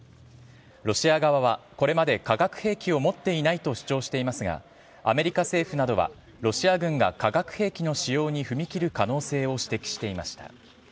ロシア側はこれまで、化学兵器を持っていないと主張していますが、アメリカ政府などはロシア軍が化学兵器の使用に踏み切る可能性を指摘していました。